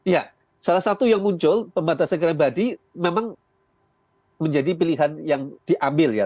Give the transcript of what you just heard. ya salah satu yang muncul pembatasan kendaraan pribadi memang menjadi pilihan yang diambil ya